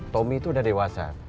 tommy itu udah dewasa